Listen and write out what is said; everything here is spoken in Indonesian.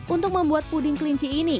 untuk membuat puding kelinci ini